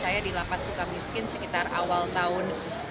saya di lapas suka miskin sekitar awal tahun dua ribu enam belas